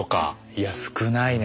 いや少ないね。